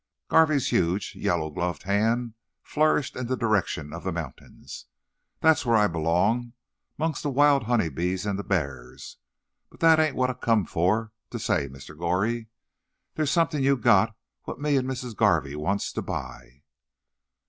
Garvey's huge, yellow gloved hand flourished in the direction of the mountains. "That's whar I b'long, 'mongst the wild honey bees and the b'ars. But that ain't what I come fur to say, Mr. Goree. Thar's somethin' you got what me and Missis Garvey wants to buy."